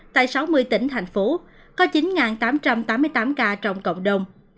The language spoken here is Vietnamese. tại sáu mươi tỉnh thành phố có chín tám trăm tám mươi tám ca trong cộng đồng